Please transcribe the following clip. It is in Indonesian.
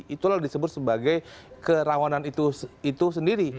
itulah disebut sebagai kerawanan itu sendiri